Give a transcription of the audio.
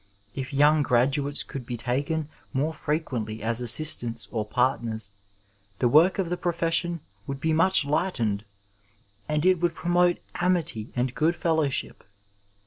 If young graduates could be taken more frequently as assistants or partners, the work of the profession would be much light ened, and it would promote amity and good fellowship.